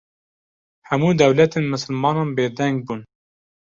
hemu dewletên mislimanan bê deng bûn